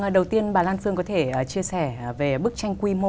đầu tiên bà lan dương có thể chia sẻ về bức tranh quy mô